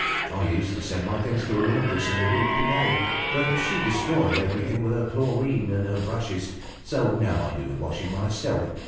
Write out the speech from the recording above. I used to send my things to a laundress in the Rue Poulet, but she destroyed everything with her chlorine and her brushes; so now I do the washing myself.